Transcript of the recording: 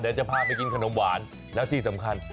เดี๋ยวจะพาไปกินขนมหวานแล้วที่สำคัญ